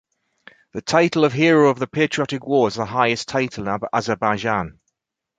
The title of Hero of the Patriotic War is the highest title in Azerbaijan.